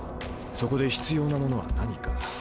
そこで必要なものは何か？